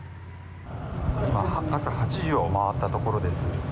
朝８時を回ったところです。